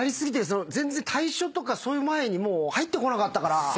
全然対処とかそういう前に入ってこなかったから。